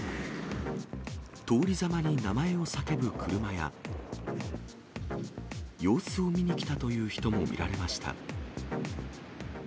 通りざまに名前を叫ぶ車や、様子を見に来たという人も見られました。